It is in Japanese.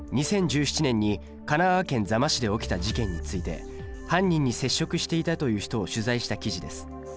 ２０１７年に神奈川県座間市で起きた事件について犯人に接触していたという人を取材した記事です。